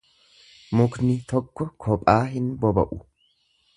Mukni tokko qophaa hin boba'u.